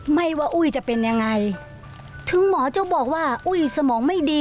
ไม่ว่าอุ้ยจะเป็นยังไงถึงหมอจะบอกว่าอุ้ยสมองไม่ดี